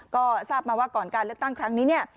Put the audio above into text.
ก็ทราบมาว่าก่อนการเลือกตั้งครั้งนี้เนี่ย